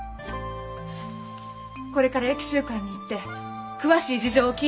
これから益習館に行って詳しい事情を聞いてくる。